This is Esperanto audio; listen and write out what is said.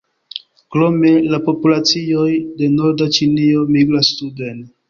Krome la populacioj de norda Ĉinio migras suden.